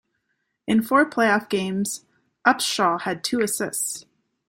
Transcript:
In four playoff games, Upshall had two assists.